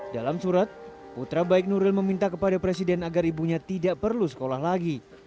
dalam surat putra baik nuril meminta kepada presiden agar ibunya tidak perlu sekolah lagi